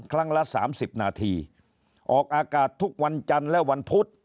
ละ๓๐นาทีออกอากาศทุกวันจันทร์และวันพุธ